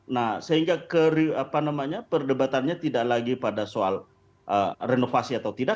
nah sehingga perdebatannya tidak lagi pada soal renovasi atau tidak